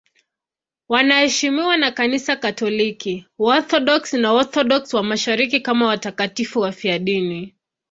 Wanaheshimiwa na Kanisa Katoliki, Waorthodoksi na Waorthodoksi wa Mashariki kama watakatifu wafiadini.